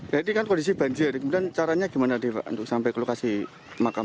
jadi kan kondisi banjir caranya bagaimana pak untuk sampai ke lokasi makam